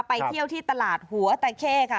ไปเที่ยวที่ตลาดหัวตะเข้ค่ะ